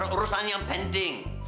urusan yang penting